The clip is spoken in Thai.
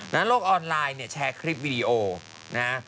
แล้วโลกออนไลน์แชร์คลิปวีดีโอนะฮะ